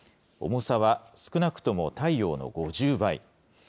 重さは少なくとも太陽の５０倍。